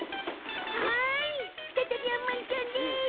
再びあんまんちゃんです。